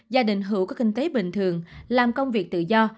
gia đình hữu có kinh tế bình thường làm công việc tự do